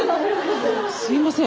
すいません。